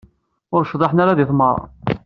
Ur cḍiḥen ara di tmeɣra.